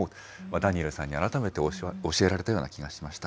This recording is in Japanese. ダニエルさんに改めて教えられたような気がしました。